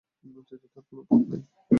তৃতীয়ত আর কোন পথ নাই।